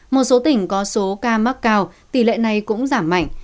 một số tỉnh có số ca mắc cao tỷ lệ này cũng giảm mạnh